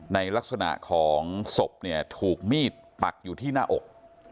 ในลักษณะของศพเนี่ยถูกมีดปักอยู่ที่หน้าอก